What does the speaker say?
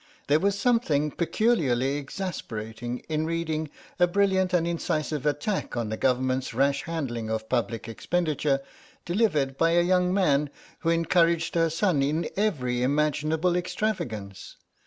There was something peculiarly exasperating in reading a brilliant and incisive attack on the Government's rash handling of public expenditure delivered by a young man who encouraged her son in every imaginable extravagance.